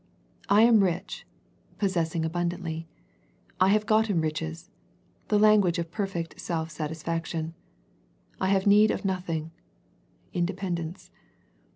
" I am rich," possessing abundantly, " I have gotten riches," the lan guage of perfect self satisfaction, " I have need of nothing," independence.